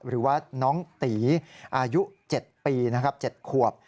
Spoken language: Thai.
หรือว่าน้องตีอายุ๗ปีนะครับ๗ขวบ